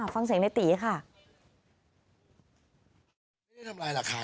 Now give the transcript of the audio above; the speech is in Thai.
ฟังเสียงในตีค่ะ